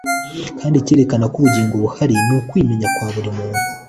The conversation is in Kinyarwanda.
kandi icyerekana ko ubugingo buhari ni ukwimenya kwa buri muntu.